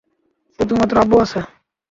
শুধুমাত্র আব্বু আছে।